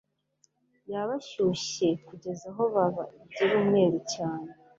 yabashyushye kugeza aho babagira umweru cyane